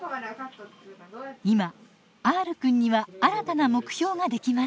今Ｒくんには新たな目標ができました。